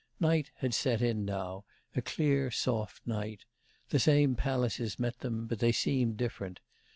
Night had set in now, a clear, soft night. The same palaces met them, but they seemed different.